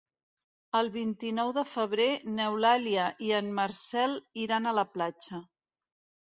El vint-i-nou de febrer n'Eulàlia i en Marcel iran a la platja.